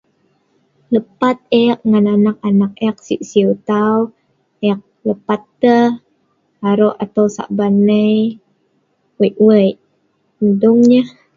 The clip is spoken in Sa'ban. Lepat ek ngan anak-anak ek sii siu tau, lepat ek, ek arok atol Saban nei wik wik, neh dung nyeh